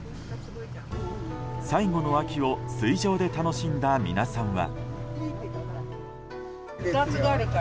最後の秋を水上で楽しんだ皆さんは。